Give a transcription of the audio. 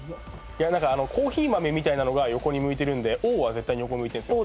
コーヒー豆みたいなのが横に向いてるんでＯは絶対に横向いてんですよ